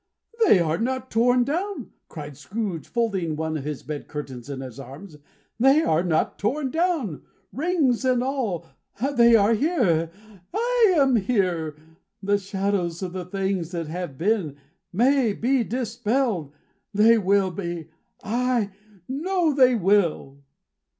"They are not torn down," cried Scrooge, folding one of his bed curtains in his arms, "they are not torn down, rings and all. They are here I am here the shadows of the things that would have been, may be dispelled. They will be. I know they will!"